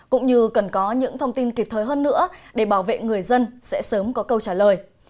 cũng như cần có những thông tin kịp thời hơn nữa để bảo vệ người dân sẽ sớm có câu trả lời